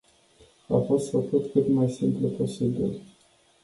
A fost făcut cât mai simplu posibil.